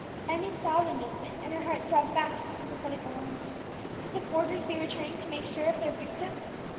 Emmie saw the movement, and her heart throbbed fast with sympathetic alarm. Could the forgers be returning to make sure of their victim?